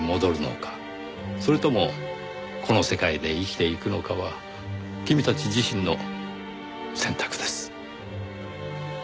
それともこの世界で生きていくのかは君たち自身の選択です。